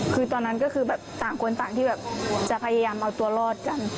คือตอนนั้นก็คือแบบต่างคนต่างที่แบบจะพยายามเอาตัวรอดกัน